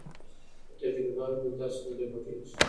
که تجربه وي نو درس نه ګډوډیږي.